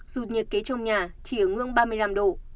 rụt nhiệt kế trong nhà chỉ ở ngưỡng ba mươi năm độ